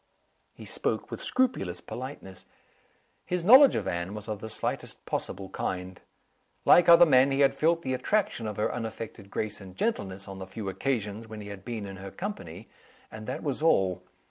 He spoke with scrupulous politeness. His knowledge of Anne was of the slightest possible kind. Like other men, he had felt the attraction of her unaffected grace and gentleness on the few occasions when he had been in her company and that was all.